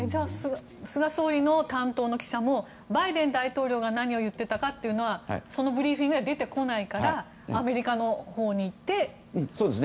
菅総理の担当の記者もバイデン大統領が何を言っていたかはそのブリーフィングでは出てこないからアメリカのほうに行ってという。